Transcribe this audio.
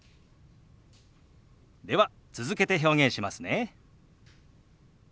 では続けて表現しますね。